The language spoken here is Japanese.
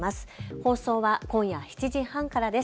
放送は今夜７時半からです。